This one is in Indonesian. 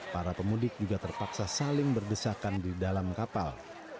para pemudik juga terpaksa saling berdesakan di dalam kapal